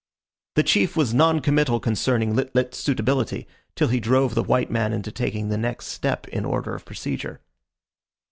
The chief was non committal concerning Lit lit's suitability, till he drove the white man into taking the next step in order of procedure.